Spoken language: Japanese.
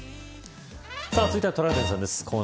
続いてはトラウデンさんです。